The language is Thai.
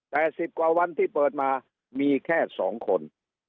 แต่๑๐กว่าวันที่เปิดมามีแค่๒คน